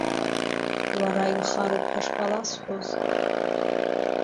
Лара илхароуп ҳәа шԥаласҳәоз?!